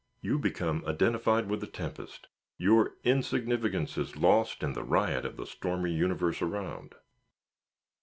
You become identified with the tempest; your insignificance is lost in the riot of the stormy universe around.